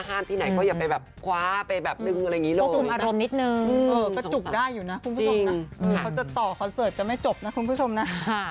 เขาจะต่อคอนเสิร์ตจะไม่จบนะคุณผู้ชมนะ